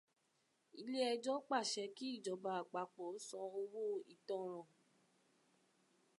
Ilé ẹjọ́ pàṣẹ kí ìjọba àpapọ̀ san owó ìtanràn.